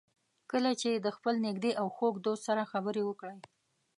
کله چې د خپل نږدې او خوږ دوست سره خبرې وکړئ.